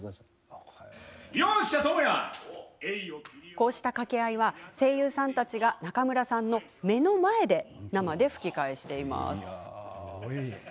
こうした掛け合いは声優さんたちが中村さんの目の前で生で吹き替えをしています。